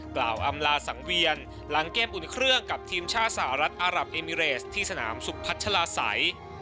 อำลาสังเวียนหลังเกมอุ่นเครื่องกับทีมชาติสหรัฐอารับเอมิเรสที่สนามสุขพัชลาศัย